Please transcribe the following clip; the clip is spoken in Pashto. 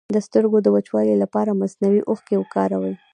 د سترګو د وچوالي لپاره مصنوعي اوښکې وکاروئ